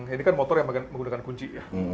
ini kan motor yang menggunakan kunci ya